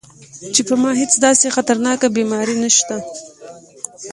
چې پۀ ما هېڅ داسې خطرناکه بيماري نشته -